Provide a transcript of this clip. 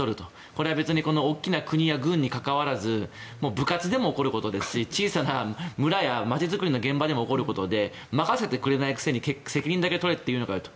これは大きな国や軍にかかわらず部活でも起こることですし小さな村や町づくりの現場でも起こることで任せてくれないくせに責任だけとれっていうのかよと。